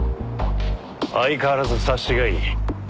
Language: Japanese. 相変わらず察しがいい。